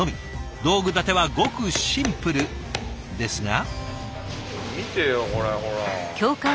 道具立てはごくシンプルですが。